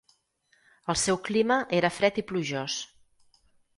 El seu clima era fred i plujós.